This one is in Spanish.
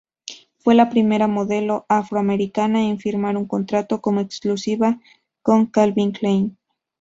Fue la primera modelo afro-americana en firmar un contrato como exclusiva con Calvin Klein.